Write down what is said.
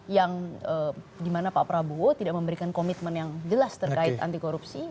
yang dimana pak prabowo tidak memberikan komitmen yang jelas terkait anti korupsi